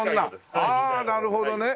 ああなるほどね。